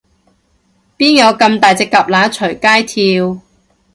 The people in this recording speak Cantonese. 邊有噉大隻蛤乸隨街跳